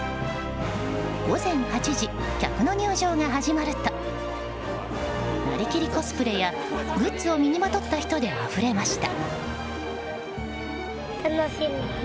午前８時、客の入場が始まるとなりきりコスプレやグッズを身にまとった人であふれました。